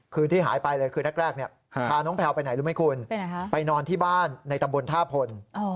ที่หายไปเลยคืนแรกพาน้องแพลวไปไหนรู้ไหมคุณไปนอนที่บ้านในตำบลท่าพล